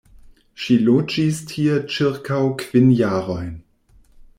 Ŝi loĝis tie ĉirkaŭ kvin jarojn.